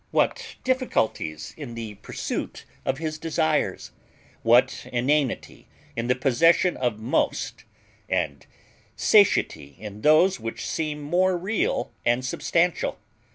What difficulties in the pursuit of his desires! what inanity in the possession of most, and satiety in those which seem more real and substantial!